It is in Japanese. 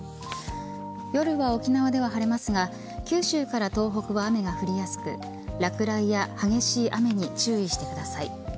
夜は沖縄では晴れますが九州から東北は雨が降りやすく落雷や激しい雨に注意してください。